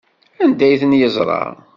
Anda ay ten-yeẓra?